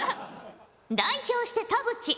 代表して田渕。